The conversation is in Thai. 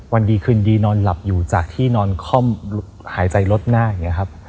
วันดีคืนดีนอนหลับอยู่จากที่นอนค่อหายใจรถหน้า